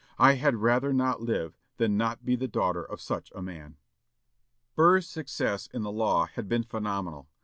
I had rather not live than not be the daughter of such a man." Burr's success in the law had been phenomenal.